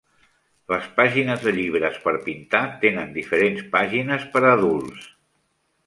Les pàgines de llibres per pintar tenen diferents pàgines per a adults.